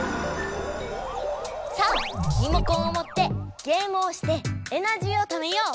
さあリモコンをもってゲームをしてエナジーをためよう。